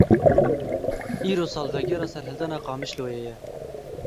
Îro salvegera serhildana Qamişloyê ye.